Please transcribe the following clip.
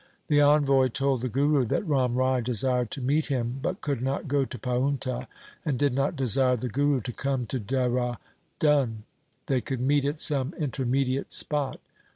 The envoy told the Guru that Ram Rai desired to meet him, but could not go to Paunta, and did not desire the Guru to come to Dehra Dun. They could meet at some intermediate spot.